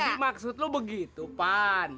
jadi maksud lu begitu pan